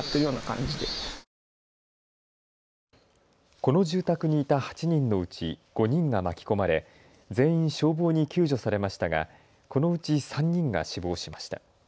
この住宅にいた８人のうち５人が巻き込まれ全員、消防に救助されましたがこのうち３人が死亡しました。